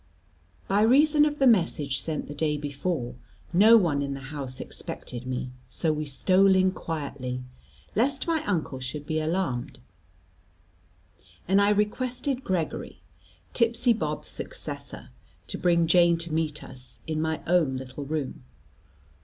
By reason of the message sent the day before, no one in the house expected me; so we stole in quietly, lest my uncle should be alarmed, and I requested Gregory, tipsy Bob's successor, to bring Jane to meet us, in my own little room.